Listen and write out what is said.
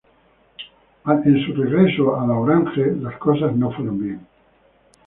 En su regreso a la 'oranje', las cosas no fueron bien.